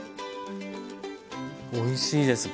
おいしいです。